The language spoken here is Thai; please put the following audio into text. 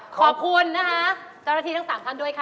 ขอบคุณต้อนรับที่ตั้งสามท่านด้วยค่ะ